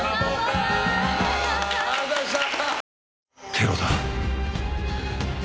テロだ。